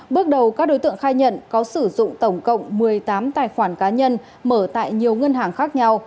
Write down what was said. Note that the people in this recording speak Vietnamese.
bước đầu các đối tượng khai nhận có sử dụng tổng cộng một mươi tám tài khoản cá nhân mở tại nhiều ngân hàng khác nhau